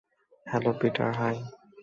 Hello, Peter, high!